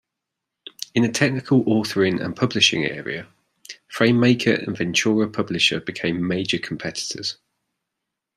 In the technical authoring and publishing area, Framemaker and Ventura Publisher became major competitors.